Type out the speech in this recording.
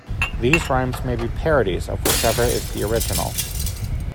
These rhymes may be parodies of whichever is the original.